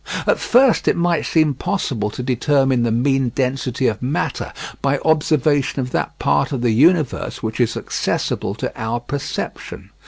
At first it might seem possible to determine the mean density of matter by observation of that part of the universe which is accessible to our perception.